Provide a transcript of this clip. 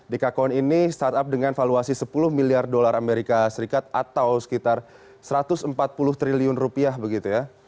dekakorn ini startup dengan valuasi sepuluh miliar dolar amerika serikat atau sekitar satu ratus empat puluh triliun rupiah begitu ya